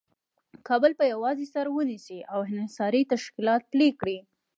کابل په یوازې سر ونیسي او انحصاري تشکیلات پلي کړي.